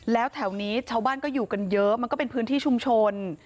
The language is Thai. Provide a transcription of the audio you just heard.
แล้วแถวนี้ชาวบ้านก็อยู่กันเยอะมันก็เป็นพื้นที่ชุมชน